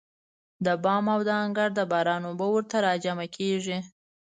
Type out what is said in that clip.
د بام او د انګړ د باران اوبه ورته راجمع کېږي.